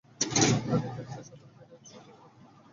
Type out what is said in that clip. আগে প্যারিসের নর্তকীরা এই ঢঙ ফেরাত।